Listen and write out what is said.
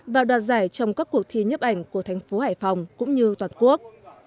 vào đoạt giải trong các cuộc thi nhấp ảnh của thành phố hải phòng cũng như toàn quốc